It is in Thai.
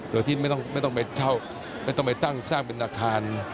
โดยที่ไม่ต้องไปเจ้าไม่ต้องไปจ้างเป็นอาคาร